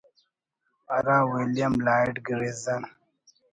ہرا William Lloyd garrison……